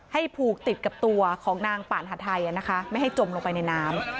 ให้ผูกติดกับตัวของนางป่านหัดไทยนะคะไม่ให้จมลงไปในน้ำ